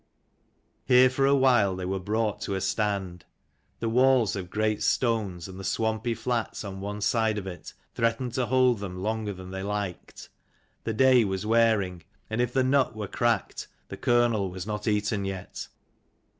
Here for a while they were brought to a stand : the walls of great stones, and the swampy flats on one side of it, threatened to hold them longe'r than they liked. The day was wearing, and if the nut were cracked the kernel was not eaten yet.